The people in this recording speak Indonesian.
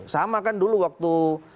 sama kan dulu waktu